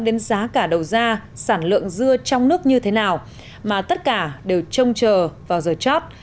đến giá cả đầu ra sản lượng dưa trong nước như thế nào mà tất cả đều trông chờ vào giờ chót